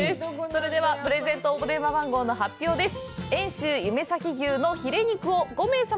それではプレゼント応募電話番号の発表です。